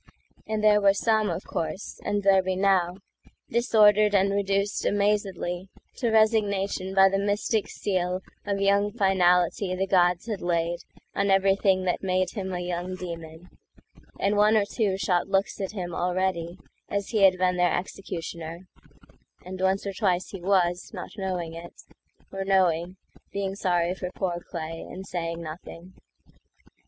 And there were some, of course, and there be now, Disordered and reduced amazedlyTo resignation by the mystic sealOf young finality the gods had laidOn everything that made him a young demon; And one or two shot looks at him alreadyAs he had been their executioner; And once or twice he was, not knowing it,—Or knowing, being sorry for poor clayAnd saying nothing.